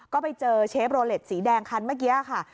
ก็ไปเจอเชฟโรเล็ตสีแดงคันเมื่อกี้ค่ะ